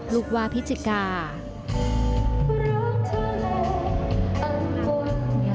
ลูกวาพิจิกา